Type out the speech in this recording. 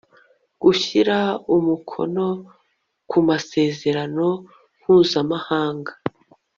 gushyira umukono ku masezerano mpuzamahanga